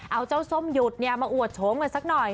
เอาเจ้าส้มหยุดมาอวดโฉมกันสักหน่อย